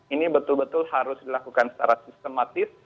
ini betul betul harus dilakukan secara sistematis